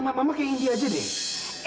mama kayak indy aja deh